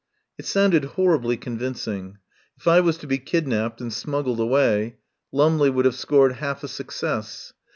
It sounded horribly convincing. If I was to be kidnapped and smuggled away Lumley would have scored half a success.